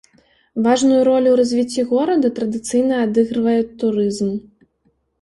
Важную ролю ў развіцці горада традыцыйна адыгрывае турызм.